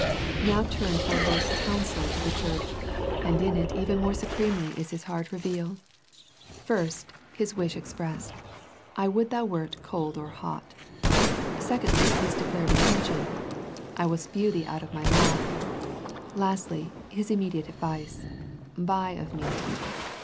Now turn to our Lord's counsel to the The Laodicea Letter 203 church, and in it even more supremely is His heart revealed. First, His wish expressed, " I would thou wert cold or hot." Secondly, His declared in tention, " I will spew thee out of My mouth." Lastly, His immediate advice, " Buy of Me."